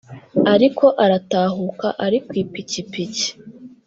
ariko aratahuka ari kw'ipikipiki